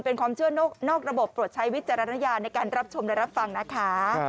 เป็นความเชื่อนอกระบบโปรดใช้วิจารณญาณในการรับชมและรับฟังนะคะ